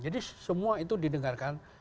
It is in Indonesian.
jadi semua itu didengarkan